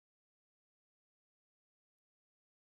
Dhogi leny ahinya